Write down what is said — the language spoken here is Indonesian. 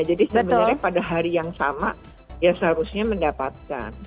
jadi sebenarnya pada hari yang sama ya seharusnya mendapatkan